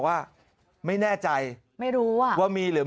อ้าว